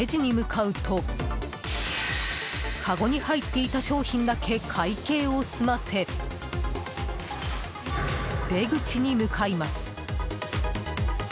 かごに入っていた商品だけ会計を済ませ、出口に向かいます。